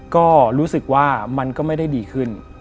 ก็รู้สึกว่ามันก็ไม่ได้ดีขึ้น